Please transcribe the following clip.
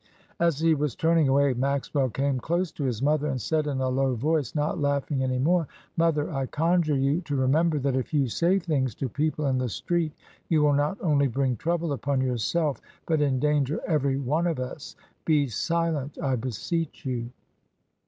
As he was turning away, Maxwell came close to his mother, and said in a low voice, not laughing any more — "Mother, I conjure you to remember that if you say things to people in the street you will not only bring trouble upon yourself, but endanger every one of us. Be silent, I beseech you."